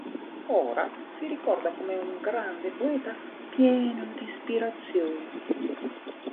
Ora si ricorda come un grande poeta pieno di ispirazioni.